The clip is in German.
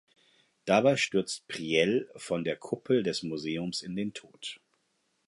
Dabei stürzt Priel von der Kuppel des Museums in den Tod.